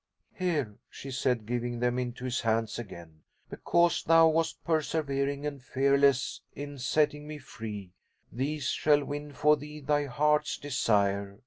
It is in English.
"Here," she said, giving them into his hands again, "because thou wast persevering and fearless in setting me free, these shall win for thee thy heart's desire.